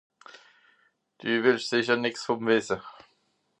Dü wìtt sìcher nìx vùm wìsse ?